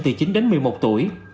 từ chín đến một mươi một tuổi